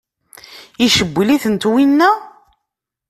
Icewwel-itent winna?